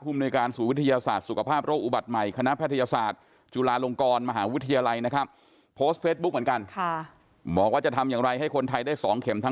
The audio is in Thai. คุมนวยการศูนย์วิทยาศาสตร์สุขภาพโรคอุบัติใหม่คณะพแภตยศาสตร์จุฬาลงกรมหาวิทยาลัยนะคะ